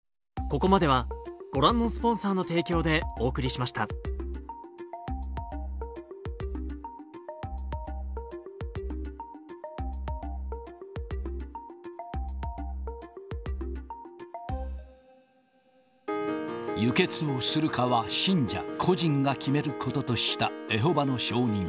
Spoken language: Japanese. しかし、輸血をするかは信者個人が決めることとしたエホバの証人。